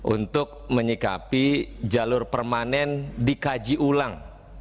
untuk menyikapi jalur permanen dikaji ulang